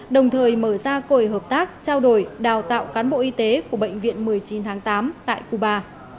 đồng thời mở ra cồi hợp tác trao đổi đào tạo cán bộ y tế của bệnh viện một mươi chín tháng tám tại cuba